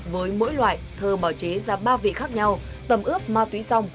với mỗi loại thơ bảo chế ra ba vị khác nhau tầm ướp ma túy xong